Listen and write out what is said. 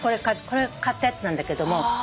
これ買ったやつなんだけども。